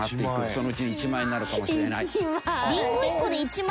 そのうち１万円になるかもしれない。